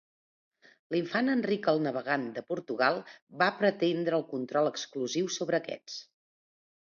L'infant Enric el Navegant de Portugal va pretendre el control exclusiu sobre aquests.